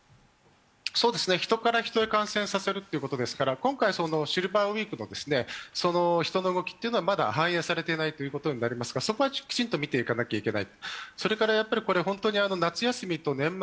人から人へ感染させるということですから、今回シルバーウィークの人の動きというのはまだ反映されていないということになりますが、そこはきちんと見ていかないといけない。